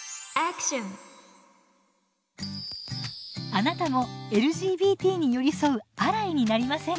あなたもＬＧＢＴに寄り添うアライになりませんか？